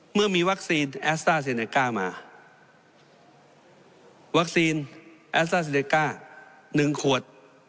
เมื่อมีวัคซีนแอสตะเซนเนคก้ามาวัคซีนนึงขวด